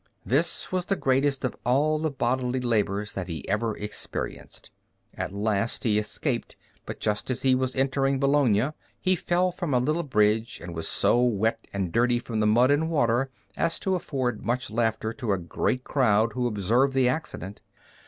This was the greatest of all the bodily labors that he ever experienced. At last he escaped, but just as he was entering Bologna he fell from a little bridge and was so wet and dirty from the mud and water as to afford much laughter to a great crowd who observed the accident.